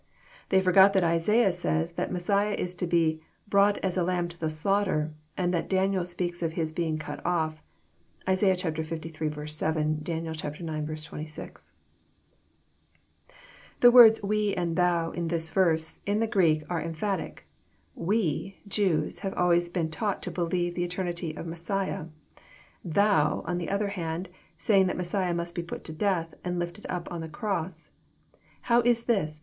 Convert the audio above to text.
They forgot that Isaiah says that Messiah is to be '< brought as a lamb to the slaughter," and that Daniel speaks of His being << cut off." (Isai. liii. 7 ; Dan. ix. 26,) The words " we" and "thou," in this verse, in the Greek are emphatic. " Wb Jews have always been taught to believe the eternity of Messiah. Thou, on the other hand, sayest that Mes siah must be put to death, and lifted up on the cross. How is this?